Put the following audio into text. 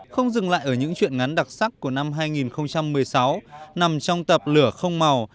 không dừng lại ở những chuyện ngắn đặc sắc của năm hai nghìn một mươi sáu nằm trong tập lửa không màu